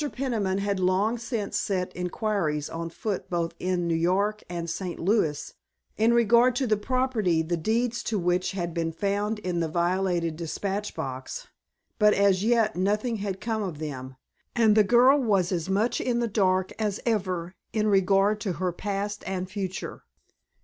Peniman had long since set inquiries on foot both in New York and St. Louis in regard to the property the deeds to which had been found in the violated dispatch box. But as yet nothing had come of them, and the girl was as much in the dark as ever in regard to her past and future.